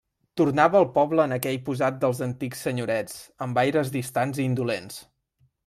Tornava al poble en aquell posat dels antics senyorets amb aires distants i indolents.